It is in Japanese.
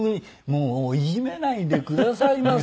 もういじめないでくださいませ。